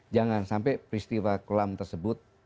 jangan sampai peristiwa kelam tersebut